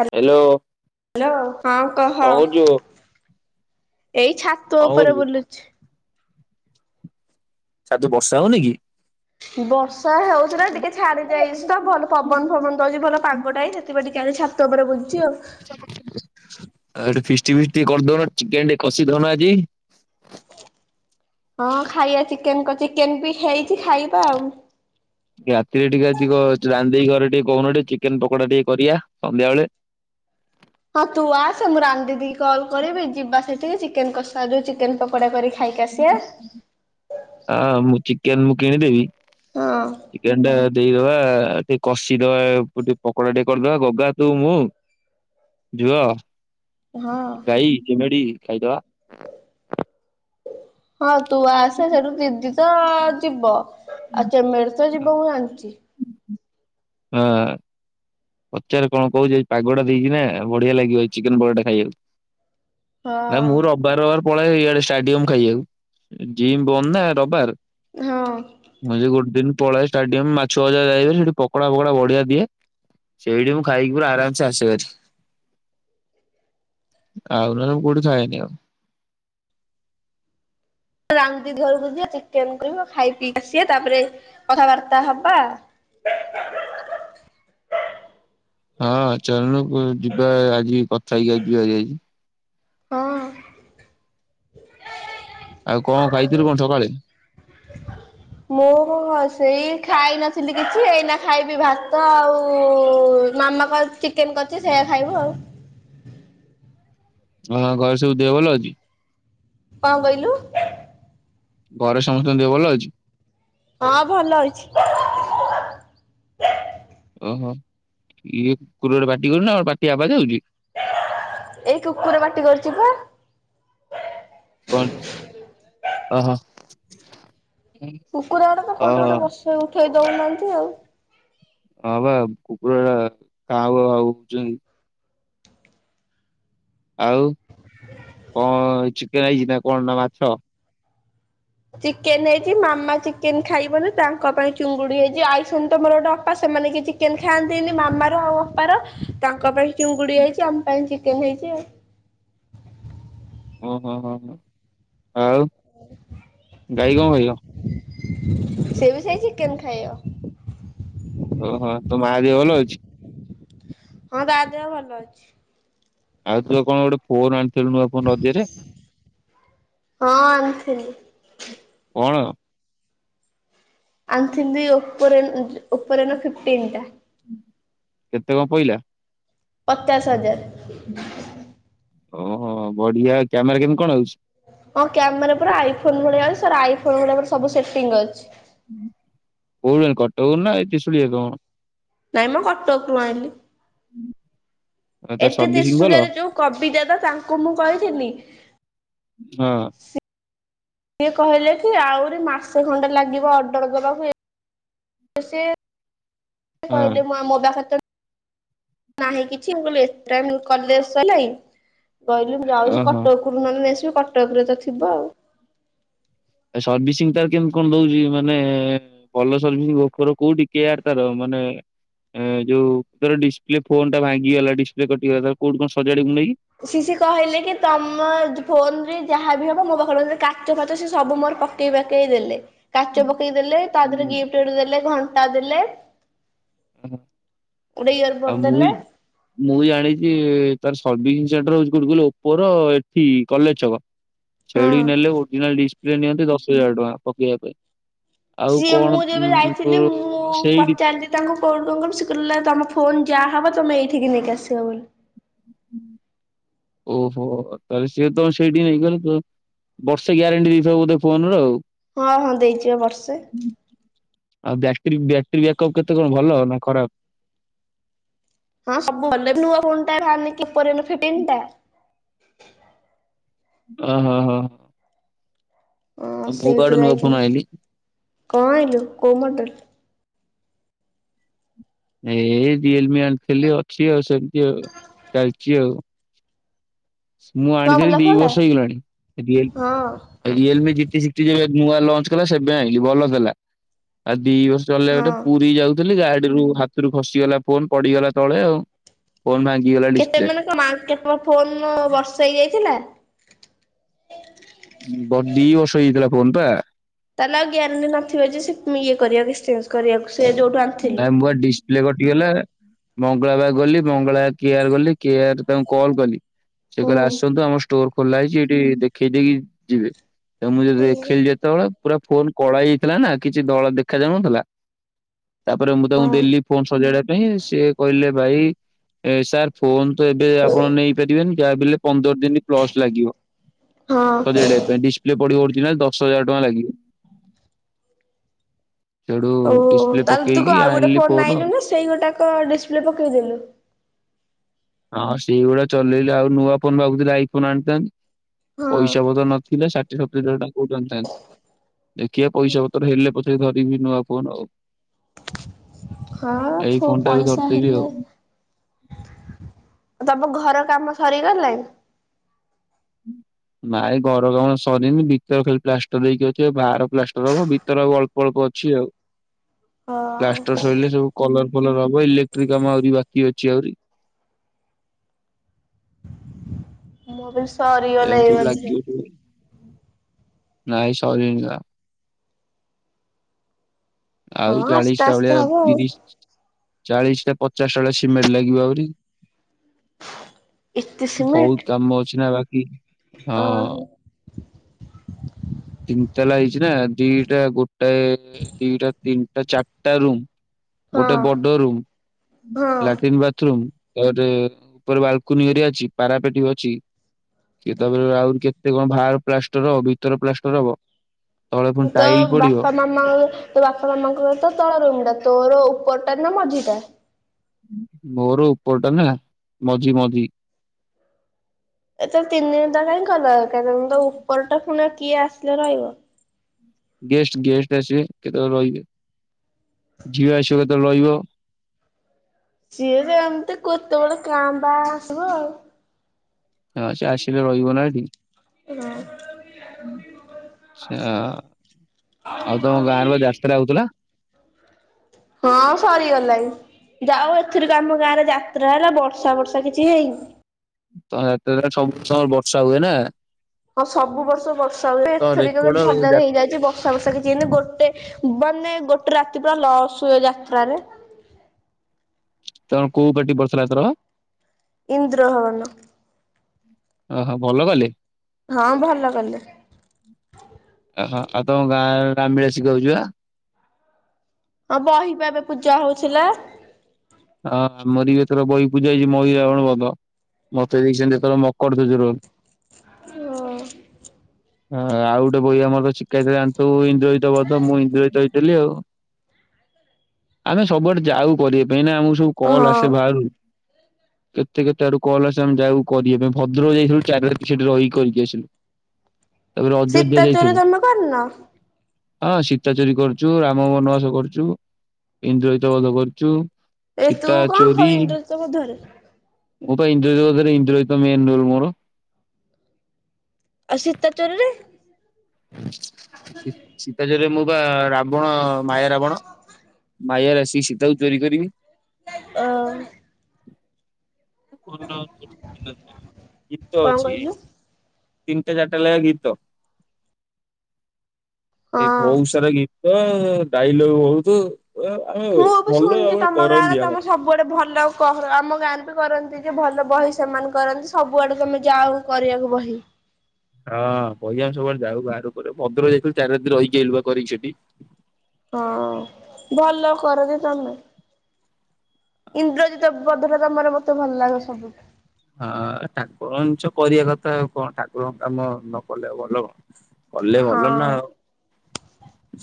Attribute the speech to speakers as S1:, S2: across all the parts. S1: Hello, ହଁ କହ।
S2: କଣ କରୁଛୁ
S1: ଏଇ ଛାତ
S2: କଣ
S1: ଉପରେ
S2: କରୁଛୁ?
S1: ବୁଲୁ
S2: ଛାତ ବର୍ଷା ହଉନି କି?
S1: ବର୍ଷା ହଉଥିଲା ଟିକେ ଛାଡି ଯାଇଚି ତ, ଭଲ ପବନ ଫବନ ଦଉଛି ଭଲ ପାଗଟା ହେଇଚି ସେଥିପାଇଁ ଟିକେ ଆଜି ଛାତ ଉପରେ ବୁଲୁଚି ଆଉ।
S2: ଆଉ ଏଠି ଫିଷ୍ଟ୍ ଫିଷ୍ଟି କରିଦଉନ ଚିକେନ ଟେ କଷି ଦଉନ ଆଜି।
S1: ହଁ ଖାଇବା ଚିକେନ ଚିକେନ ବି ହେଇଛି ଖାଇବା ଆଉ।
S2: ରାତିରେ ଟିକେ ଆଜି ଟିକେ ରାନି ଦିଦି ଘରେ ଟିକେ କହୁନ, ଟିକେ ଚିକେନ ପକୋଡା ଟିକେ କରିବା ସନ୍ଧ୍ୟା ବେଳେ।
S1: ହଁ ତୁ ଆସେ ମୁଁ ରାନି ଦିଦିକି କଲ୍ କରିବି ଯିବା ସେଠିକି ଚିକେନ କସା ଯୋଉ ଚି ଚିକେନ ପକୋଡ଼ା କରି ଖାଇକି ଆସିିବା।
S2: ହଁ ମୁଁ ଚିକେନ ମୁଁ କିଣିଦେବି।
S1: ହଁ
S2: ଚିକେନ ଟା ଦେଇଦବା ଟିକେ କଷିଦବା ଟିକେ ପକୋଡା ଟିକେ କରିଦବା ଗଗା, ତୁ, ମୁଁ ଯୁଅ,
S1: ହଁ
S2: ଗାଇ, ଚିମିଡି ଖାଇଦବା
S1: ହଁ ତୁ ଆସେ ସେଠୁ ଦିଦି ତ ଯିବ ଆଉ ଚେମେଡି ତ ଯିବ ମୁଁ ଜାଣିଚି।
S2: ହଁ। ପଚାରେ କଣ କହୁଚି ପାଗଟା ଦେଇକି ନା ବଢିଆ ଲାଗିବ ଏ ଚିକେନ ପକୋଡ଼ା ଟା ଖାଇବାକୁ।
S1: ହଁ
S2: ନାଇଁ ମୁଁ ରବିବାର ବାର ପଳାଏ ଇଆଡେ ଷ୍ଟାଡିୟମ ଖାଇବାକୁ। ଜିମ୍ ବନ୍ଦ ନା ରବିବାର।
S1: ହଁ।
S2: ମୁଁ ଯୋଉ ଗୋଟ ଦିନ ପଳାଏ ଷ୍ଟାଡିୟମରେ ମାଛଭଜା ସେଠି ପକଡା ଫକୋଡା ବଢିଆ ଦିଏ। ସେଇଠି ମୁଁ ଖାଇକି ପୁରା ଆରାମସେ ଆସେ ଭାରି। ଆଉ ନହେଲେ ମୁଁ କୋଉଠି ଖାଏନି ଆଉ।
S1: ରାନି ଦିଦି ଘରକୁ ଯିବା ଚିକେନ କରିବ ଖାଇ ପିଇ ଆସିବା ତାପରେ କଥାବାର୍ତ୍ତା ହବା। [unintelligible]
S2: ହଁ ଚାଲୁନୁ ଯିବା ଆଜି କଥା ହେଇକି ଆସିବା ଭାରି ଆଜି।
S1: ହଁ।
S2: ଆଉ କଣ ଖାଇଥିଲୁ କଣ ସକାଳେ?
S1: ମୋର ସେଇ ଖାଇନଥିଲି କିଛି ଏଇନା ଖାଇବି ଭାତ ଆଉ ମାମା କଣ ଚିକେନ୍ କରିଛି ସେଇଆା ଖାଇବୁ ଆଉ।
S2: ତୋମ ଘରେ ସବୁ ଦେହ ଭଲ ଅଛି?
S1: କଣ କହିଲୁ?
S2: ଘରେ ସମସ୍ତଙ୍କ ଦେହ ଭଲ ଅଛି?
S1: ହଁ ଭଲ ଅଛି।
S2: ଓହୋ, ଇଏ କୋଉଠି ଗୋଟେ ପାଟି କରୁନ ଆ [unintelligible] ପାଟି ଆବାଜ ହଉଚି।
S1: ଏଇ କୁକୁର ପାଟି କରୁଛି ପା।
S2: କଣ ଓହୋ,?
S1: କୁକୁର ଆଡେ ତ କୋଉଠି
S2: ଓହୋ
S1: ଗୋଟେ ବସେଇ ଉଠେଇ ଦଉନାହାନ୍ତି ଆଉ।
S2: ହଁ ବା କୁକୁର କା କାଉ ଆଉ ଚନ୍ତି। ଆଉ କଣ ଚିକେନ୍ ହେଇଚି ନା କଣ ନା ମାଛ?
S1: ଚିକେନ୍ ହେଇଚି। ମାମା ଚିକେନ୍ ଖାଇବନି ତାଙ୍କ ପାଇଁ ଚୁଙ୍ଗୁଡି ହେଇଚି। ଆଇସନ ତୋ ମୋର ଗୋଟେ ଅପା ସେମାନେ କିଛି ଚିକେନ୍ ଖାଆନ୍ତିନି ମାମାର ଆଉ ଅପାର ତାଙ୍କ ପାଇଁ ଚିଙ୍ଗୁଡି ହେଇଚି ଆମ ପାଇଁ ଚିକେନ୍ ହେଇଚି ଆଉ।
S2: ଓହୋ ହଁ, ହଁ ଆଉ ଗାଈ କଣ [unintelligible]
S1: ସେ ବି ସେଇ ଚିକେନ୍ ଖାଇବ।
S2: ଓହୋ ତୋ ମା ଦେହ ଭଲ ଅଛି?
S1: ହଁ ତା ଦେହ ଭଲ ଅଛି।
S2: ଆଉ ତୁ କଣ ଗୋଟେ ଫୋନ୍ ଆଣିଥିଲୁ ନୂଆ ଫୋନ୍ ରଜରେ?
S1: ହଁ ଆଣିଥିଲି।
S2: କଣ?
S1: ଆଣିଥିନି ଯେ ଏ ଉପରେ ଯ- ଉପରେ ନା ଫିଫ୍ଟିନ୍ ଟା।
S2: କେତେ କଣ ପଇଲା?
S1: ପଚାଶ ହଜାର।
S2: ଓ ହଁ ବଢିଆ କ୍ୟାମେରା କେମିତି କଣ ହଉଛି?
S1: ହଁ କ୍ୟାମେରା ପୁରା ଆଇ ଫୋନ୍ ଭଳିଆ [unintelligible] ସେରା ଆଇ ଫୋନ୍ ହେଲା ପରି ସବୁ ସେଟିଙ୍ଗ ଅଛି।
S2: କୋଉଠୁ ଆଣ କଟକ ରୁ ନା ଏଇ ତ୍ରିଶୁଳିଆ କଁ?
S1: ନାଇଁ ମୋ କଟକ ରୁ ଆଣିଲି।
S2: ତା
S1: ଏଠି
S2: ସର୍ଭିସିଂ ଭଲ?
S1: ତ୍ରିଶୁୁଳିଆ ରେ ଯୋଉ କବିତା ଅପା ତାଙ୍କୁ ମୁଁ କହିଥିଲି।
S2: ହଁ।
S1: ସିଏ କହିଲେ କି ଆଉରି ମାସେ ଖଣ୍ଡେ ଲାଗିବ ଅର୍ଡର ଦବାକୁ। ଏ ତ ସେ
S2: ହଁ
S1: କହିଲେ ମା-ମୋ ପାଖରେ ତ ନାହିଁ କିଛି ମୁଁ କହିଲି ଏ ଟାଇମ୍ କଲେଜ୍ ସଇଲାଇ କହିଲି ମୁଁ ଯାଉଚୁ
S2: ଓହୋ
S1: କଟକ କୁରୁ ନନେ ନେଇ ଆସିବି କଟକ ରେ ତ ଥିବ।
S2: ଏ ସର୍ଭିସିଂ ତାର କେମିତି କଣ ଦଉଚି ମାନେ ଭଲ ସର୍ଭିସିଂ ପାଖର କୋଉଠି କେୟାର୍ ତାର ମାନେ ଏ ଯୋଉ ତାର ଡିସପ୍ଲେ ଫୋନ୍ ଟା ଭାଙ୍ଗିଗଲା ଡିସପ୍ଲେ କଟିଗଲା ତାକୁ କୋଉଠୁ କଣ ସଜାଡିବୁ ନେଇକି?
S1: ସି ସିଏ କହିଲେ କି ତୋମ ଫୋନ୍ ରେ ଯାହା ବି ହବ ମୋ ପାଖରେ କାଚ ଫାଚ ସେ ସବୁ ମୋର ପକ କେ ପକେଇ ଦେଲେ। କାଚ ପକେଇ ଦେଲେ ତା ଦେହରେ ଗିଫ୍ଟ ଦେଲେ ଘଣ୍ଟା ଦେଲେ।
S2: ଓହୋ,
S1: ଗୋଟେ ଇୟରବୋଡ
S2: ଆଉ
S1: ଦେଲେ
S2: ମୁଇ ମୁଁ ଜାଣିଚି ତାର ସର୍ଭିସିଂ ସେଣ୍ଟର ହଉଚି କୋଉଠି କହିଲ ଓପୋର ଏଠି କଲେଜ୍ ଛକ।
S1: ହଁ
S2: ସେଇଠିକି ନେଲେ ଓରିଜିନାଲ ଡିସପ୍ଲେ ନିଅନ୍ତି ଦଶ ହଜାର ଟଙ୍କା ପକେଇବା ପାଇଁ। ଆଉ
S1: ସିଏ ମୁଁ
S2: କଣ
S1: ଯେବେ
S2: ଉଁ,
S1: ଯାଇଥିଲି
S2: ତୋର
S1: ମୁଁ
S2: ହଁ ସେଇଠି
S1: ପଚାରିଲି ତାଙ୍କୁ କଲ୍ କଲୁ ସେ କହିଲେ ତମ ଫୋନ ଯାହା ହବ ତମେ ଏଇଠିକି ନେଇକି ଆସିବ ବୋଲି।
S2: ଓହୋ! ତାଲେ ସିଏ ତ ସେଡି ନେଇକି ଗଲେ ତ ବର୍ଷେ ଗ୍ୟାରେଣ୍ଟି ଦେଇଥିବ ବୋଧେ ଫୋନ ର ଆଉ?
S1: ହଁ, ହଁ, ଦେଇଯିବା ବର୍ଷେ।
S2: ଆଉ, ବ୍ୟାଟରୀ, ବ୍ୟାଟେରୀ ବ୍ୟାକଅପ୍ କେତେ କଣ ଭଲ ନା ଖରାପ?
S1: ହଁ ସବୁ ଭଲେ ବି ନୁହଁ [unintelligible] ଟା।
S2: ଅ ହ ହ।
S1: ଅଁ
S2: ଗୋଟେ
S1: ସେଇଠୁ
S2: ନୂଆ ଫୋନ
S1: ଯାଇକିନି।
S2: ଆଣିଲି
S1: କଣ ଆଇଲୁ କୋଉ ମଡେଲ୍।
S2: ଏଇ ରିଏଲ ମି ଆଣିଥିଲି ଅଛି ଆଉ, ସେମିତି ଆଉ ଚାଲିଛି ଆଉ। ମୁଁ
S1: କଣ
S2: ଆଣିଥିଲି
S1: ଭଲ
S2: ଦି
S1: ଫୋନ ଟା
S2: ବର୍ଷ ହେଇଗଲାଣି ସେ
S1: ହଁ
S2: [unintelligible] ଏ ରିଏଲମି ଜିଟି ସିକ୍ସଟି ଯେବେ ନୂଆ ଲଞ୍ଚ କଲା ସେବେ ଆଣିଲି ଭଲ ଥିଲା। ଆଉ ଦି ବର୍ଷ ଚଲିଲା ଗୋଟେ
S1: ହଁ
S2: ପୁରୀ ଯାଉଥିଲି ଗାଡିରୁୁ ହାତରୁ ଖସିଗଲା ଫୋନ୍ ପଡିଗଲା ତଳେ ଆଉ। ଫୋନ୍ ଭାଙ୍ଗିଗଲା ଡିସପ୍ଲେ।
S1: ଏ ସ ମାକେ ତମ ଫୋନ ବର୍ଷା ହେଇଯାଇଥିଲା।
S2: ବ ଦି ବର୍ଷ ହେଇଥିଲା ଯା ଫୋନ ପା।
S1: ତାହେଲେ ଆଉ ଗ୍ୟାରେଣ୍ଟି ନଥିବ ଯେ ସେ ଇଏ କରିବାକୁ କିସେଞ୍ଜ କରିବାକୁ। ସେ ଯଉଠୁ ଆ
S2: [unintelligible] ଡିସ ପିଲେ କଟିଗଲା ମଙ୍ଗଳାବାର ଗଲି ମଙ୍ଗଳାବାର କେ ଆର ଗଲି କେ ଆର ତାଙ୍କୁ କଲ କଲି। ସେ
S1: ହଁ
S2: କହିଲେ ଆସନ୍ତୁ ଆମ ଷ୍ଟୋର ଖୋଲା ହେଇଛି ଏଇଠି ଦେଖେଇ ଦେଇକି ଯିବେ। ତ ମୁଁ ଯଦି ଦେଖିଲି
S1: ହଁ।
S2: ଯେତେବେଳେ ପୁରା ଫୋନ କଳା ହୋଇଥିଲା ନା କିଛି ଦଳ ଦେଖା ଯାଉନଥିଲା। ତା'ପରେ ମୁଁ, ତାଙ୍କୁ ଦେଲି ଫୋନ୍ ସଜାଡିବା ପାଇଁ। ସିଏ କହିଲେ ଭାଇ ଏ ସାର୍ ଫୋନ ତ ଏବେ ଆପଣ ନେଇପାରିବେନି ଯାହା ବି ହେଲେ ପନ୍ଦର ଦିନ। ପ୍ଲସ୍ ଲାଗିବ, ସଜାଡ଼ିବା ପାଇଁ। ଡ଼ିସ୍ ପ୍ଲେ ପଡିବ ଓର୍ଜିନାଲ୍, ଦଶ ହଜାର ଟଆଁ ଲାଗିବ। ସେଡୁ
S1: ଓ
S2: ଡ଼ିସ୍
S1: ତାହେଲେ ତୁ ଆଉ ଗୋଟେ ଫୋନ ନାଇନୁ ନା ସେଇ ଗୁଟାକ ଡିସପ୍ଲେ ପକେଇଦେଲୁ?
S2: ହଁ, ସେଇଗୁଡା ଚଲେଇଲେ ଆଉ ନୂଆ ଫୋନ୍ ଭାବୁଥିଲି, ଆଇ ଫୋନ୍ ଆଣିଥାନ୍ତି।
S1: ହଁ
S2: ପଇସା ପତ୍ର ନଥିଲେ ଷାଠିଏ ସତୁରି ହଜାର ଟଙ୍କା କୋଉଠୁ ଆଣିଥାନ୍ତି। ଦେଖିଆ ପଇସା ପତ୍ର ହେଲେ ପଛେ ଧରିବି ନୂଆ ଫୋନ ଆଉ।
S1: ହଁ
S2: ଏଇ
S1: ଫୋ
S2: ଫୋନ୍ ଟା ବି
S1: ପଇସା
S2: ଧରିଥିବି
S1: ହେଲେ
S2: ଆଉ।
S1: ତମ ଘର କାମ ସରିଗଲାଣି?
S2: [inaudible] ନାଇଁ ଘର କାମ ସରିନି, ଭିତର ଖାଲି ପ୍ଲାଷ୍ଟର ହେଇକି ଅଛି, ବାହାର ପ୍ଲାଷ୍ଟର ହବ, ଭିତର ଆଉ ଅଳ୍ପ ପଳ୍ପ ଅଛି ଆଉ।
S1: ହଁ
S2: ପ୍ଲାଷ୍ଟର ସଇଲେ ସବୁ କଲର ଫଲର ହବ, ଇଲେକ୍ଟ୍ରି କାମ ଆହୁରି ବାକି ଅଛି ଆହୁରି।
S1: ମୁଁ ବି
S2: ଏମିତି
S1: ସରିଗଲାଣି
S2: ସବୁ
S1: ବୋଧେ।
S2: ଲାଗିବ ସବୁ ନାଇଁ ସରିନି ବା।
S1: ହଁ
S2: ଆଉ ଚାଳିଶି
S1: ଆସ୍ତେ
S2: ଟା ଭଳିଆ,
S1: ଆସ୍ତେ ହବ ଆଉ।
S2: ତିରିଶି ଚାଳିଶି ଟା ପଚାଶଟା ଭଳିଆ ସିମେଣ୍ଟ ଲାଗିବ ଆହୁରି।
S1: ଇତି ସିମେଣ୍ଟ
S2: ବହୁତୁ କାମ ଅଛି ନା ବାକି, ହଁ।
S1: ଓହୋ
S2: ତିନିତାଲା ହେଇଛି ନା, ଦିଟା ଗୋଟାଏ ଦିଟା, ତିନିଟା, ଚାରିଟା ରୁମ୍। ଗୋଟେ
S1: ହଁ
S2: ବଡ ରୁମ,
S1: ହଁ।
S2: Latrine bathroom. ତାପରେ ଉପରେ ବାଲକୁନି ଏରିଆ ଅଛି, ପାରାପେଟି ବି ଅଛି। ସିଏ ତାପରେ ଆହୁରି କେତେ କଣ ବାହାର ପ୍ଲାଷ୍ଟର ହବ ଭିତର ପ୍ଲାଷ୍ଟର ହବ। ତଳେ ପୁଣି
S1: ତୋ
S2: ଟାଇଲି ପଡିବ।
S1: ବାପା ତୋ ବାପା ମାମାଙ୍କର ତ ତଳ ରୁମ୍ ଟା। ତୋର ଉପରଟା ନା ମଝିଟା?
S2: ମୋର ଉପର ଟା ନା ମଝି ମଝି।
S1: ଏ ତ ତିନି ଦିନ ଦର କାଇଁ କଲ, ଉପର ଟା ପୁଣି କିଏ ଆସିଲେ ରହିବ।
S2: ଗେଷ୍ଟ ଗେଷ୍ଟ ଆସିବେ। କେତେବେଳେ ରହିବେ, ଝିଅ ଆସିବ କେତେବେଳେ ରହିବ।
S1: ସିଏ ବି ଏମିତି କେତେବେଳେ କାଁ ଭାଂ ଆସିବ ଆଉ।
S2: ହଁ ସେ ଆସିଲେ ରହିବ ନା ଏଠି।
S1: ହଁ।
S2: ଆଚ୍ଛା ଆଉ ତମ ଗାଁରେ ବା ରାସ୍ତାରେ ହଉଥିଲା?
S1: ହଁ ସାରି ଗଲାଣି। ଯାଉ ଏଥିର ଆମ ଗାଁ ରେ ଯାତ୍ରା ହେଲା ବର୍ଷା ବର୍ଷା କିଛି ହେଇନି।
S2: ତ [unintelligible] ସବୁ ସମୟର ବର୍ଷା ହୁଏ ନା।
S1: ହଁ ସବୁ ବର୍ଷ ବର୍ଷା ହୁଏ
S2: ତ
S1: ଏଥରେ
S2: ରେକର୍ଡ
S1: କେନ୍ତି
S2: ଯା
S1: ଭଲରେ ହେଇଯାଇଛି। ବ ବର୍ଷା ଫର୍ଷା କିଛି ହେଇନି ଗୋଟେ ବ ମାନେ ଗୋଟେ ରାତି ପୁରା ଲସ୍ ହୁଏ ଯାତ୍ରାରେ।
S2: ତମ କୋଉ ପାଟି ପଡିଥିଲା ଏଥରକ?
S1: ଇନ୍ଦ୍ର ଭବନ।
S2: ଓହୋ ଭଲ ବାଲି?
S1: ହଁ ଭଲ କଲେ।
S2: ଓହୋ ଆଉ ତମ ଗାଁ ଆଡେ ଆମେ ଆସିକି କହୁଛୁ ବା?
S1: ହଁ ବହିିବା ଏବେ ପୂଜା ହଉଥିଲା।
S2: ହଁ ଆମର ବି ଏଥର ବହି ପୂଜା ହେଇଛି ମହି ରାବଣ ବଧ। ମତେ ଦେଇଛନ୍ତି ଏଥର ମକର ଧୋଜରୁ।
S1: [unintelligible]
S2: ହଁ ଆଉ ଗୋଟେ ବହି ଆମର ଅଛି ସିକା ହେଇଛି ଜାଣିଥିବୁ ଇନ୍ଦ୍ରୋଜିତ ବଧ, ମୁଁ ଇନ୍ଦ୍ରୋଯିତ ହେଇଥିଲି ଆଉ। ଆମେ ସବୁଆଡେ ଯାଉ କରିବା ପାଇଁ ନା, ଆମକୁ ସବୁ କଲ
S1: ହଁ
S2: ଆସେ ବାହାରୁ। କେତେ କେତେ ଆଡୁ କଲ୍ ଆସେ ଆମେ ଯାଉ କରିବା ପାଇଁ। ଭଦ୍ରକ ଯାଇଥିଲୁ ଚାରି ରାତି ସେଠି ରହିି କରିକି ଆସିଲୁ। ତାପରେ
S1: ସୀତା
S2: ଅଯୋଧ୍ୟା
S1: ଚୋରି
S2: ଯାଇଥିଲୁ।
S1: ତମେ କରିନ?
S2: ହଁ ସୀତା ଚୋରି କରିଛୁ, ରାମ ବନବାସ କରିଛୁ, ଇନ୍ଦ୍ରଯିତ ବଧ କରିଛୁ।
S1: ଏ ତୁ କଣ କଇନ [unintelligible]
S2: ମୁଁ [unintelligible] ତ [unintelligible] ମେନ୍ ରୋଲ ମୋର।
S1: ଆଉ ଶୀତା ଚୋରୀରେ?
S2: ସି ସୀତା ଚୋରିରେ ମୁଁ ବା ରାବଣ ମାୟା ରାବଣ। ମାୟାରେ ଆସିକି ସୀତାକୁ ଚୋରି କରିବି।
S1: ଅ
S2: ଗୀତ
S1: କଣ
S2: ଅଛି
S1: କହିଲୁ?
S2: ତିନିଟା ଚାରିଟା ଲାଗା ଗୀତ। ଏଇ
S1: ହଁ।
S2: ବହୁତ ସାରା ଗୀତ ଡାଇଲଗ ବହୁତ। ଓ ଓ ଭଲ ଭାବ କରନ୍ତି ଆମର।
S1: କୁଆଡେ ଭଲ କ ଆମ ଗାଁରେ ବି କରନ୍ତି ଯେ ଭଲ ବହି ସେମାନେ କରନ୍ତି ସବୁଆଡକୁ ଆମେ ଯାଉ। କରିବାକୁ ବହି।
S2: ହଁ ପହିବା ଆମ ସବୁବେଳେ ଯାଉ ବାହାର ଉପ ପଦର ଯାଇଥିଲ ଚାରି ଦିନ ରହିକି କରିକି ସେଠି।
S1: ହଁ ଭଲ କରଯେ ତମେ। ଇନ୍ଦ୍ରଜିତ ପଦର ତମର ମତେ ଭଲ ଲାଗେ ସବୁଠୁ।
S2: ହଁ ଠାକୁରଞ୍ଚ କରିବା କଥା ଆଉ କଣ ଠାକୁରଙ୍କ କାମ ନ କଲେ ଆଉ ଭଲ କଣ। କଲେ
S1: ହଁ
S2: ଭଲ ନା ଆଉ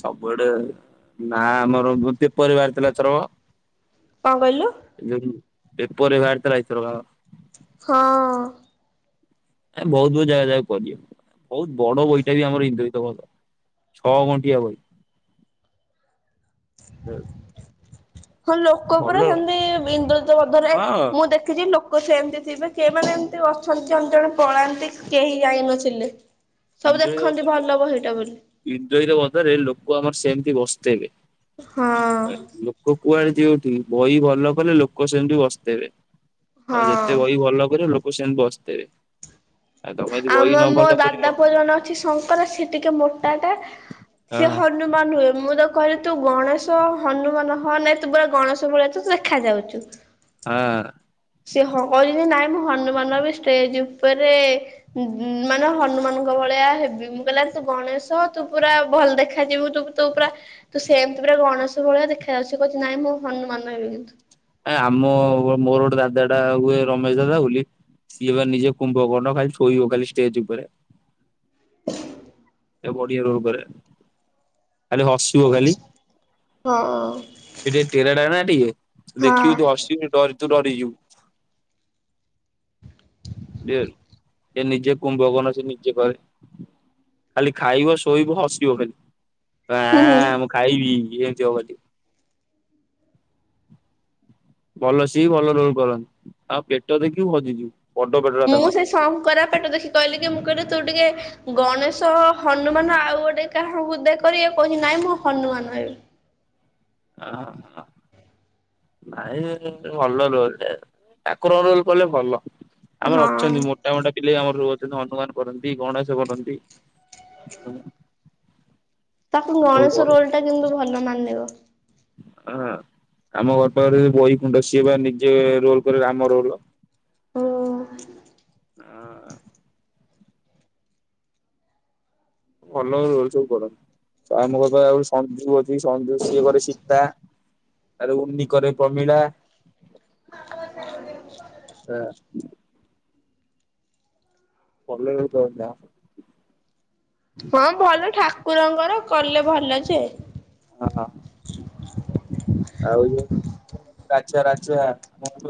S2: ସବୁଆଡେ ନା ଆମ [unintelligible] ପରିବାର ଥିଲା ଏଥରକ
S1: କଣ କହିଲୁ?
S2: [unintelligible] ପେପରରେ ବାହାରିଥିଲା ଏଥରକ ଆମର
S1: ହଁ।
S2: ଏ ବହୁତ ବହୁତ ଜାଗା ଯାଏ କରି ବହୁତ ବଡ ବଇଟା ବି ଆମର ହିନ୍ଦ୍ରଜିତ ଭଲ। ଛଅ ଘଣ୍ଟିିଆ ଭଇ।
S1: ହଁ ଲୋକ
S2: ଭଲ
S1: ପୁରା
S2: ହଁ
S1: ସେମିତି ବିଇନ୍ଦୁଳିତ ବଧରେ ମୁଁ ଦେଖିଛି ଲୋ ଲୋକ ସେମିତି ଥିବେ କେମାନେ ଏମିତି ଅଛନ୍ତି ଅମେ ଜଣେ ପଳାନ୍ତି କେହି ଯାଇ ନଥିଲେ।
S2: ଇନ୍ଦ୍ରଜିତ ଇନ୍ଦ୍ରଜିତ ବଧରେ ଲୋକ ଆମର ସେମିତି ବସିଥବେ।
S1: ହଁ।
S2: ଲୋକ କୁଆଡେ ଯଉଠି ବହି ଭଲ କଲେ ଲୋକ ସେମିତି ବସିଥବେ। ଆଉ
S1: ହଁ
S2: ଯେତେ ବହି ଭଲ କରିବ ଲୋକ ସେମିତି ବସିଥେବେ।
S1: ଆମ ମୋ ଦାଦା ପୁଅ ଜଣେ ଅଛି ଶଙ୍କରା ସେ ଟିକେ ମୋଟା ଟା
S2: ହଁ
S1: ସିଏ ହ ହନୁମାନ ହୁଏ ମୁଁ ତ କହିଲି ତୁ ଗଣେଶ ହନୁମାନ ହ ନାଇଁ ତୁ ପୁରା ଗଣେଶ ଭଳିଆ ତୁ ଦେଖା ଯାଉଛୁ।
S2: ହଁ।
S1: ସିଏ ହ କିଇବି ନାଇଁ ମୁଁ ହନୁମାନ ହେବି ଷ୍ଟେଜ ଉପରେ ଉଁ ମାନେ ହନୁମାନଙ୍କ ଭଳିଆ ହେବି। ମୁଁ କହିଲି ଆରେ ତୁ ଗଣେଶ ତୁ ପୁରା ଭଲ ଦେଖାଯିବୁ ତୁ ତୁ ପୁରା ତୁ ସେମିତି ପୁରା ଗଣେଶ ଭଳିଆ ଦେଖା ଯାଉଛି କହୁଛି ନାଇଁ ମୁଁ ହନୁମାନ ରହିବି କିନ୍ତୁ
S2: ଆ ଆମ ମୋର ଗୋଟେ ଦାଦା ଟା ହୁଏ ରମେଶ ଦାଦା ବୋଲି। ସିଏ ବା ନିଜେ କୁମ୍ଭକନ ଖାଲି ଶୋଇବ ଖାଲି ଷ୍ଟେଜ ଉପରେ
S1: [inaudible]
S2: ଏ ବଢିଆ ରୋଲ୍ କରେ ଖାଲି ହସିବ ଖାଲି
S1: ହଁ
S2: ସେ ଟିକେ ଟେରାଟା ନା ଟିକେ
S1: ହଁ।
S2: ଦେଖିବୁ ତୁ ହସିବୁ ଡ ତୁ ଡରିଯିବୁ ବି ଏ ଲ ସେ ନିଜେ କୁମ୍ୱ କନ ସେ ନିଜେ କହେ ଖାଲି ଖାଇବ ଶୋଇବ ହସିବ ଖାଲିଁ
S1: ହୁଁ ହୁଁ।
S2: ଆ ମୁଁ ଖାଇବି ଏମିତି ହବ ଖାଲି ଭଲ ସିଏ ଭଲ ରୋଲ କରନ୍ତି ଆଉ ପେଟ ଦେଖି ହଜିଯିବୁ ବଡ ପେଟଟା ତାଙ୍କ
S1: ଶଙ୍କରାପେଟ ଦେଖି କହିଲି କି ମୁଁ କହିଲି ତୁ ଟିକେ ଗଣେଶ ହନୁମାନ ଆଉ ଗୋଟେ କାହାକୁ ଦେକରି କହୁଛି ନାଇଁ ମୁଁ ହନୁମାନ ଏବେ
S2: ଅ ହ ନାଇଁ ଭଲ ରୋଲ ଟେ ଠାକୁର ରୋଲ କଲେ ଭଲ ଆମର
S1: ହଁ
S2: ଅଛନ୍ତି ମୋଟା ମୋଟା ପିଲେଇ ଆମର ର ଅଛନ୍ତି ହନୁମାନ କରନ୍ତି ଗଣେଶ କରନ୍ତି ହ
S1: ତାକୁ ଗଣେଶ ରୋଲ ଟା କିନ୍ତୁ ଭଲ ମାନିବ
S2: ହ ଆମ ଘର ପାଖରେ ଯ ବହି କୁଣ୍ଡ ସିଏ ବା ନିଜେ ରୋଲ କରେ ରାମ ରୋଲ
S1: ହ
S2: ହ ଅନ ରୁଚ ପଡ ଆମ ଘର ଆଉ ସଞ୍ଜୁ ଅଛି ସଞ୍ଜୁ ସିଏ କରେ ଶୀତା ଆରେ ଉନ୍ନି କରେ ପ୍ରମିଳା ହଁ ପଲେଇ ତଥିଲା
S1: ହଁ ଭଲ ଠାକୁରଙ୍କର କଲେ ଭଲ ଯେ
S2: ହଁ ଆଉ ଯୋଉ ରାଜା ରାଜା